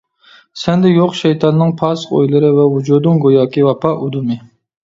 سەندە يوق شەيتاننىڭ پاسىق ئويلىرى، ۋۇجۇدۇڭ گوياكى ۋاپا ئۇدۇمى.